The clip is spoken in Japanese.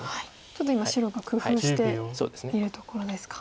ちょっと今白が工夫しているところですか。